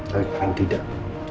tapi kalau yang tidak